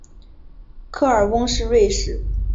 科尔翁是瑞士联邦西部法语区的沃州下设的一个镇。